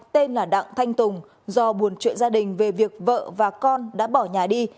tên là đặng thanh tùng do buồn chuyện gia đình về việc vợ và con đã bỏ nhà đi